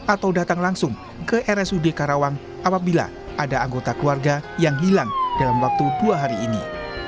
atau datang langsung ke rsud karawang apabila ada anggota keluarga yang hilang dalam waktu dua hari ini